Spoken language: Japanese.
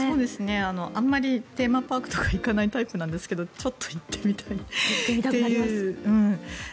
あまりテーマパークとか行かないタイプなんですけどちょっと行ってみたいという。